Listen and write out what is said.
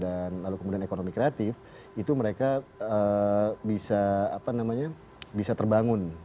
dan lalu kemudian ekonomi kreatif itu mereka bisa apa namanya bisa terbangun